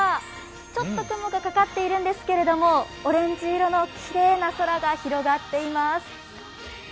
ちょっと雲がかかっているんですけどオレンジ色のきれいな空が広がっています。